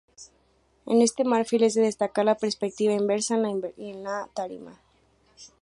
En este marfil es de destacar la perspectiva inversa en la tarima.